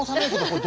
これ。